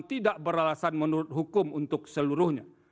tidak beralasan menurut hukum untuk seluruhnya